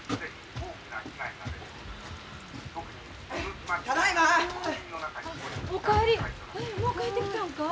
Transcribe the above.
もう帰ってきたんか？